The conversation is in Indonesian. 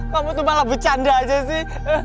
kamu tuh malah bercanda aja sih